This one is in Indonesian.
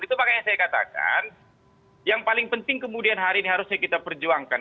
itu makanya saya katakan yang paling penting kemudian hari ini harusnya kita perjuangkan